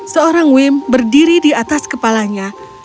seorang wim berdiri di atas kepalanya